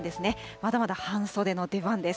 まだまだ半袖の出番です。